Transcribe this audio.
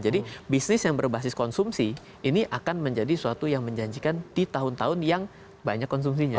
jadi bisnis yang berbasis konsumsi ini akan menjadi suatu yang menjanjikan di tahun tahun yang banyak konsumsinya